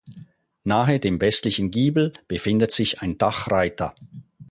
Nahe dem westlichen Giebel befindet sich ein Dachreiter.